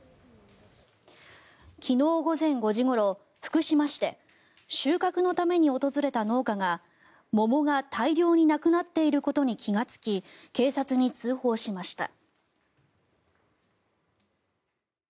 昨日午前５時ごろ福島市で収穫のために訪れた農家が桃が大量になくなっていることに気がつき警察に通報しました。